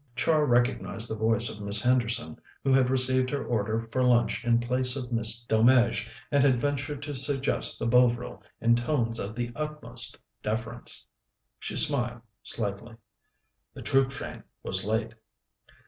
Char recognized the voice of Miss Henderson, who had received her order for lunch in place of Miss Delmege, and had ventured to suggest the Bovril in tones of the utmost deference. She smiled slightly. The troop train was late.